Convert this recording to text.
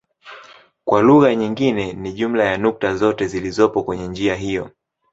Kwa lugha nyingine ni jumla ya nukta zote zilizopo kwenye njia hiyo.